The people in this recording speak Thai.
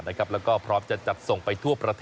มีกลิ่นหอมกว่า